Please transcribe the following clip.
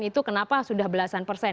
itu kenapa sudah belasan persen